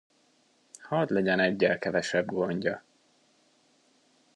Hadd legyen eggyel kevesebb gondja.